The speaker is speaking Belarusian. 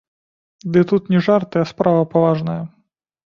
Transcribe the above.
Ды тут не жарты, а справа паважная!